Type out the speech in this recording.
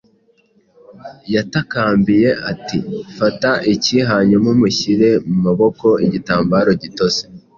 Yatakambiye ati: “Fata iki.” hanyuma umushyire mu maboko Igitambaro gitose,